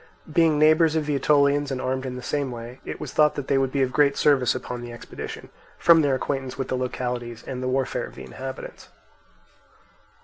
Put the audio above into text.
Being neighbours of the Aetolians and armed in the same way, it was thought that they would be of great service upon the expedition, from their acquaintance with the localities and the warfare of the inhabitants.